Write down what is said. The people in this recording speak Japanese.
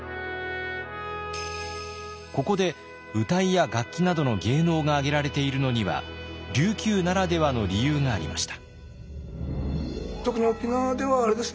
ここで謡や楽器などの芸能が挙げられているのには琉球ならではの理由がありました。